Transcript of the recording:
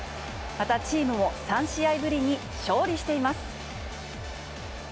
またチームも３試合ぶりに勝利しています。